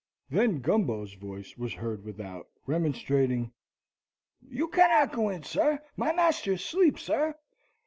Then Gumbo's voice was heard without, remonstrating, "You cannot go in, sar my master asleep, sar!"